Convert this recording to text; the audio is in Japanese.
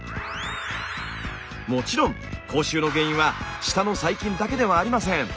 もちろん口臭の原因は舌の細菌だけではありません。